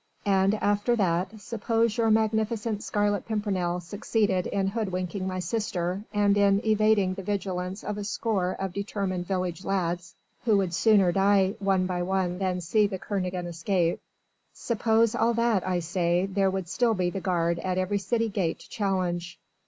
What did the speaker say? And after that suppose your magnificent Scarlet Pimpernel succeeded in hoodwinking my sister and in evading the vigilance of a score of determined village lads, who would sooner die one by one than see the Kernogan escape suppose all that, I say, there would still be the guard at every city gate to challenge.